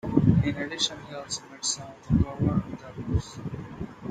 In addition he also made some of the cover of the albums.